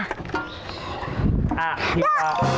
อะเทียมละ